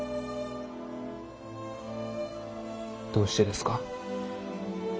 どうしてですか？